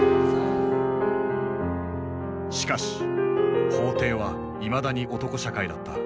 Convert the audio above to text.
しかし法廷はいまだに男社会だった。